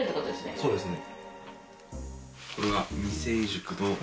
そうですね。